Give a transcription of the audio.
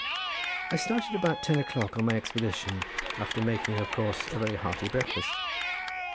I started about ten o'clock on my expedition, after making, of course, a very hearty breakfast.